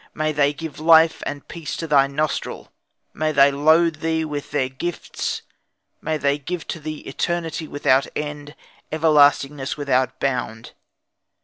May they give life and peace to thy nostril, may they load thee with their gifts, may they give to thee eternity without end, everlastingness without bound.